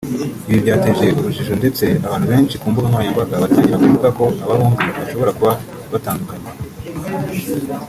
Ibi byateje urujijo ndetse abantu benshi ku mbuga nkoranyambaga batangira kuvuga ko aba bombi bashobora kuba batandukanye